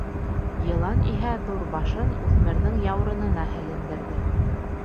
Йылан иһә ҙур башын үҫмерҙең яурынына һәлендерҙе.